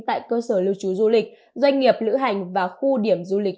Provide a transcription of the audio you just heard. tại cơ sở lưu trú du lịch doanh nghiệp lữ hành và khu điểm du lịch